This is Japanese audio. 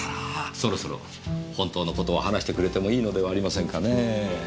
そろそろ本当の事を話してくれてもいいのではありませんかねぇ？